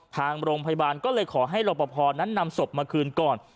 ทางโรงพยาบาลก็เลยขอให้รอปภนั้นนำศพมาคืนก่อน